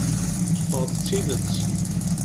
Teffeɣ-d d tidet.